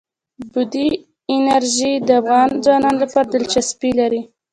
بادي انرژي د افغان ځوانانو لپاره دلچسپي لري.